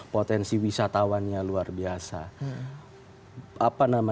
potensi wisatawannya luar biasa